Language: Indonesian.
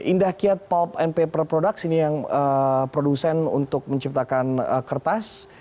indah kiat pulp and paper products ini yang produsen untuk menciptakan kertas